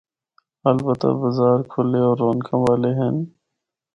البتہ بازار کھلے ہور رونقاں والے ہن۔